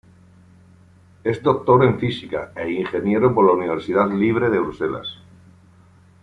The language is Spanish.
Es doctor en Física e ingeniero por la Universidad Libre de Bruselas.